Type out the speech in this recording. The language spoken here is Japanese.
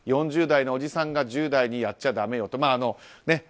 ４０代のおじさんが１０代にやっちゃだめよと。